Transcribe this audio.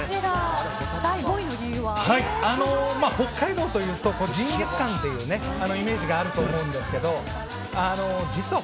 北海道というとジンギスカンというイメージがあると思うんですけど実は、